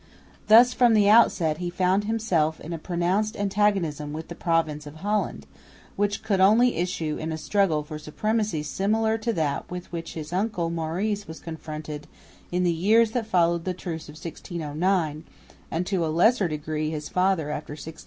Thus from the outset he found himself in a pronounced antagonism with the province of Holland, which could only issue in a struggle for supremacy similar to that with which his uncle Maurice was confronted in the years that followed the truce of 1609, and, to a less degree, his father after 1640.